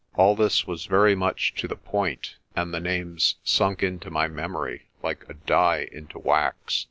All this was very much to the point, and the names sunk into my memory like a die into wax.